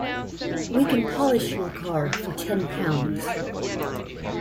We can polish your car for ten pounds.